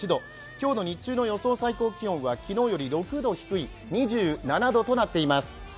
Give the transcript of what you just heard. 今日の日中最高気温は昨日より６度低い２７度となっています。